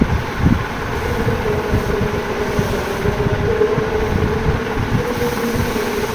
Este nombre fue ampliamente rechazado por la mayor parte de la comunidad científica internacional.